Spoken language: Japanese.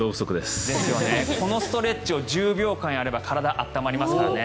このストレッチを１０秒間やれば体が温まりますからね。